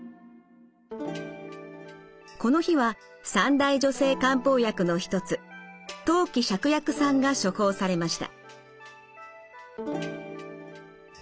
この日は三大女性漢方薬の一つ当帰芍薬散が処方されました。